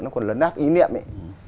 nó còn lấn nát ý niệm ấy